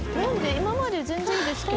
今まで全然いいですけど。